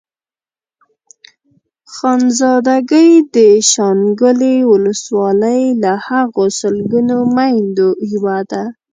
خانزادګۍ د شانګلې ولسوالۍ له هغو سلګونو ميندو يوه ده.